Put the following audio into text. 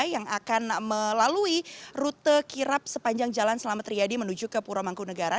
yang akan melalui rute kirap sepanjang jalan selamat riyadi menuju ke pura mangkunegara